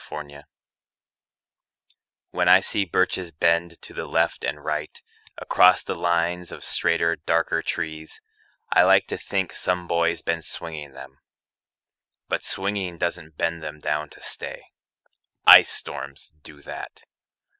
BIRCHES When I see birches bend to left and right Across the lines of straighter darker trees, I like to think some boy's been swinging them. But swinging doesn't bend them down to stay. Ice storms do that.